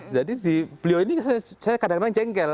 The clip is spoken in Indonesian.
jadi di beliau ini saya kadang kadang jengkel